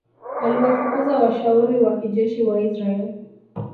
Aliwafukuza washauri wa kijeshi wa Israel